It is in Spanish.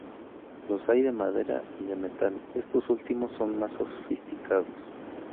Los hay de madera y de metal; estos últimos son más sofisticados.